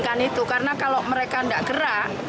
bukan itu karena kalau mereka tidak gerak